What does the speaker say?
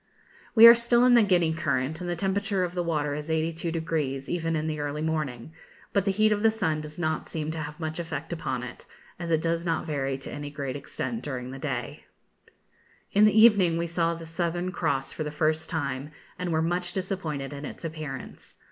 We are still in the Guinea current, and the temperature of the water is 82°, even in the early morning; but the heat of the sun does not seem to have much effect upon it, as it does not vary to any great extent during the day. [Illustration: Father Neptune.] In the evening we saw the Southern Cross for the first time, and were much disappointed in its appearance.